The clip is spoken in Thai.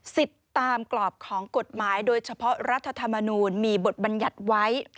ตามกรอบของกฎหมายโดยเฉพาะรัฐธรรมนูลมีบทบัญญัติไว้